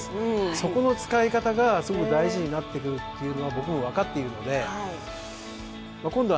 そこの使い方が、すごく大事になってくるのは、僕も分かっているので今度